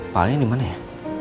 pahalnya dimana ya